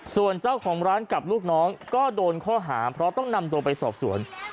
ส่วนเจ้าของร้านกับลูกน้องก็โดนข้อหาเพราะต้องนำตัวไปสอบสวน